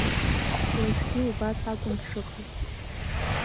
Уажәгьы убас акәын дшыҟаз.